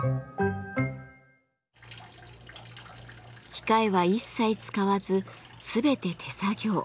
機械は一切使わず全て手作業。